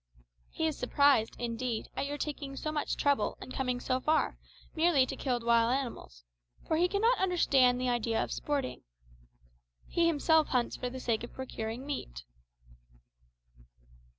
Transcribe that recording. He is surprised, indeed, at your taking so much trouble and coming so far merely to kill wild animals, for he cannot understand the idea of sporting. He himself hunts for the sake of procuring meat."